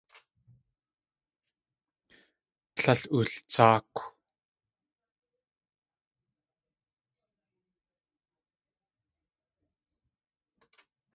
Tlél ooltsáakw.